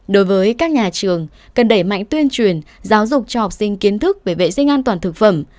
đối với các nhà trường cần đẩy mạnh tuyên truyền giáo dục cho học sinh kiến thức về vệ sinh an toàn thực phẩm